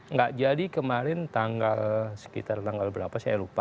enggak jadi kemarin tanggal sekitar tanggal berapa saya lupa